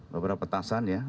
beberapa petasan ya